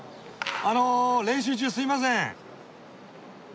あの練習中すいません！